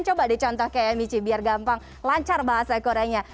coba dicontoh kayak michi biar gampang lancar bahasa koreanya